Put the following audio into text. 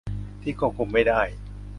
ที่ควบคุมไม่ได้